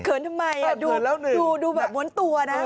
เขินทำไมดูแบบวนตัวนะ